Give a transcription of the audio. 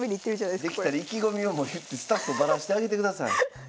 できたら意気込みをもう言ってスタッフバラしてあげてください。